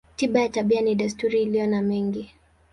Tiba ya tabia ni desturi iliyo na mengi.